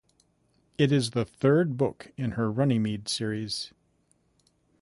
It is the third book in her Runnymede series.